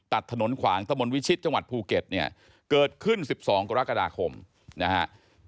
ตัดถนนขวางตะมนต์วิชิตจังหวัดภูเก็ตเนี่ยเกิดขึ้น๑๒กรกฎาคมนะฮะ